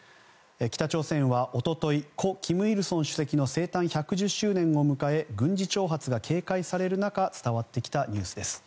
北朝鮮は一昨日故・金日成主席の生誕１１０周年を迎え軍事挑発が警戒される中伝わってきたニュースです。